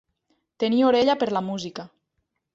Tenir orella per a la música.